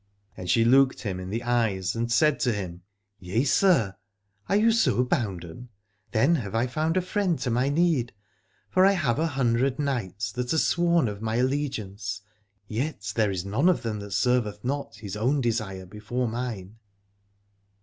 And she looked him in the eyes and said to him : Yea, sir, are you so bounden ? Then have I found a friend to my need: for I have a hundred knights that are sworn of my allegiance, yet there is none of them that serveth not his own desire before mine.